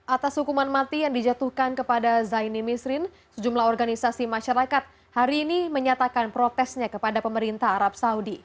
atas hukuman mati yang dijatuhkan kepada zaini misrin sejumlah organisasi masyarakat hari ini menyatakan protesnya kepada pemerintah arab saudi